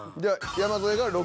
山添が６。